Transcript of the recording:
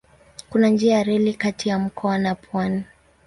Kuna njia ya reli kati ya mkoa na pwani.